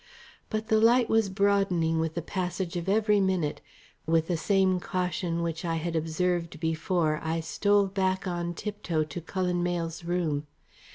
But the light was broadening with the passage of every minute. With the same caution which I had observed before I stole back on tiptoe to Cullen Mayle's room.